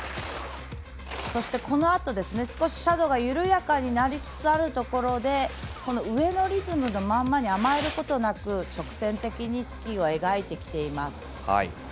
そして、このあと少し斜度が緩やかになりつつあるところで上のリズムのまま甘えることなく直線的にスキーを描いてきています。